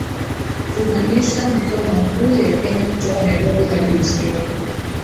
Kuhamisha makao makuu ya Kenya kutoka Nairobi hadi Isiolo